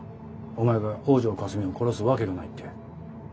お前が北條かすみを殺すわけがないって。